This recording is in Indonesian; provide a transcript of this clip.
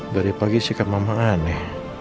dari pagi sikap mama aneh